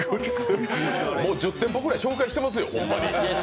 もう１０店舗くらい紹介してますよ。